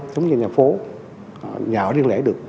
giống như nhà phố nhà ở riêng lễ được